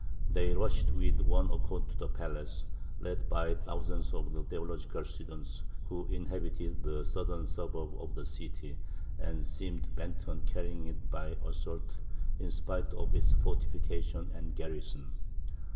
They rushed with one accord to the palace, led by the thousands of theological students who inhabited the southern suburb of the city, and seemed bent on carrying it by assault in spite of its fortifications and garrison.